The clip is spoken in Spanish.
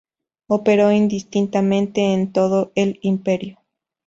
Operó indistintamente en todo el imperio.